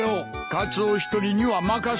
カツオ一人には任せん。